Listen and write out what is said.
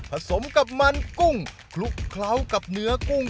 สมกับมันกุ้งคลุกเคล้ากับเนื้อกุ้ง